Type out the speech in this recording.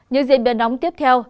những diễn biến đóng tiếp theo